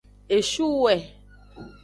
Eshuwe.